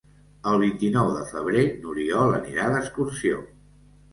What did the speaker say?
El vint-i-nou de febrer n'Oriol anirà d'excursió.